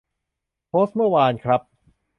โพสต์เมื่อวานครับ